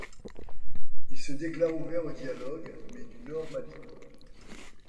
Il se déclare ouvert au dialogue mais du Nord-Mali.